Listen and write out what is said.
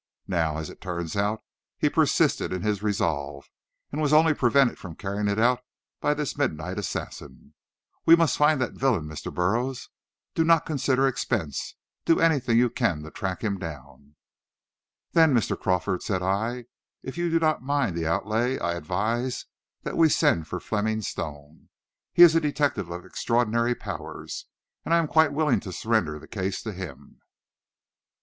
Now, as it turns out, he persisted in his resolve, and was only prevented from carrying it out by this midnight assassin. We must find that villain, Mr. Burroughs! Do not consider expense; do anything you can to track him down." "Then, Mr. Crawford," said I, "if you do not mind the outlay, I advise that we send for Fleming Stone. He is a detective of extraordinary powers, and I am quite willing to surrender the case to him."